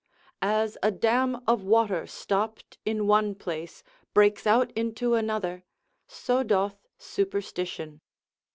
As a dam of water stopped in one place breaks out into another, so doth superstition.